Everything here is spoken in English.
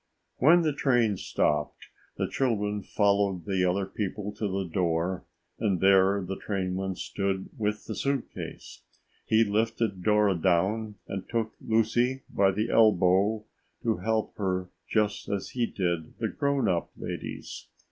When the train stopped, the children followed the other people to the door and there the trainman stood with the suit case. He lifted Dora down and took Lucy by the elbow to help her just as he did the grown up ladies.